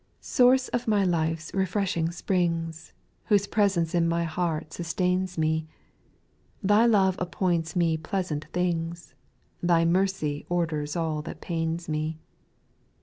QOURCE of my life's refreshing springs, O Whose presence in my lieart sustains me, Thy love appoints me pleasant things, Tliy mercy orders all that pains me.